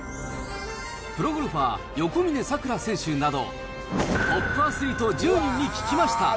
プロゴルファー、横峯さくら選手など、トップアスリート１０人に聞きました。